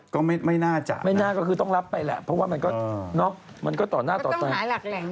ก็ไม่น่าจัดนะครับเพราะว่ามันก็ต่อหน้าต่อไปก็ต้องหาหลักแหล่ง